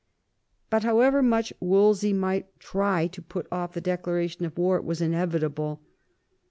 But however much Wolsey might try to put off the declaration of war, it was inevitable.